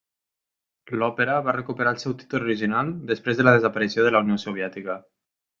L'òpera va recuperar el seu títol original després de la desaparició de la Unió Soviètica.